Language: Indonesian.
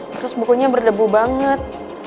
terus bukunya berdebu banget